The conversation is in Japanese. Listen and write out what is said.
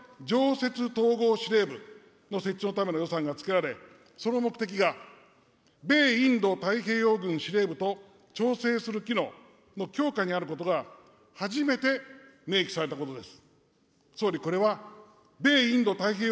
重大なことは、概算要求で自衛隊の常設統合司令部の設置のための予算がつけられ、その目的が米インド太平洋軍司令部と調整する機能の強化にあることが初めて明記されたことです。